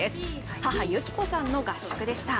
母・有紀子さんの合宿でした。